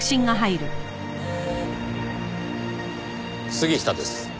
杉下です。